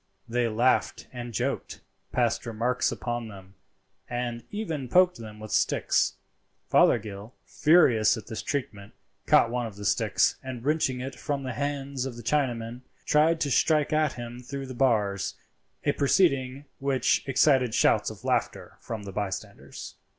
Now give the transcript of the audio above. They laughed and joked, passed remarks upon them, and even poked them with sticks. Fothergill, furious at this treatment, caught one of the sticks, and wrenching it from the hands of the Chinaman, tried to strike at him through the bars, a proceeding which excited shouts of laughter from the bystanders.